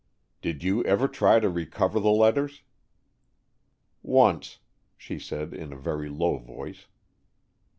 "Did you ever try to recover the letters?" "Once," she said, in a very low voice.